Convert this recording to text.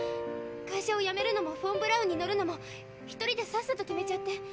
会社をやめるのもフォン・ブラウンに乗るのも１人でさっさと決めちゃって。